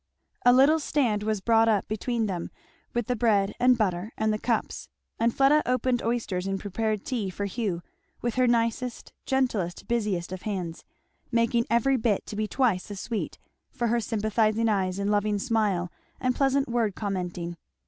A little stand was brought up between them with the bread and butter and the cups; and Fleda opened oysters and prepared tea for Hugh, with her nicest, gentlest, busiest of hands; making every bit to be twice as sweet, for her sympathizing eyes and loving smile and pleasant word commenting.